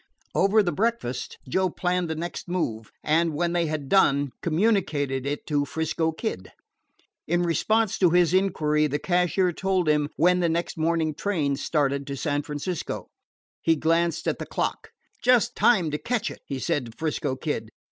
Over the breakfast Joe planned the next move, and, when they had done, communicated it to 'Frisco Kid. In response to his inquiry, the cashier told him when the morning train started for San Francisco. He glanced at the clock. "Just time to catch it," he said to 'Frisco Kid.